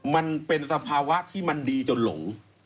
มันเป็นสภาวะที่มันดีจนหลง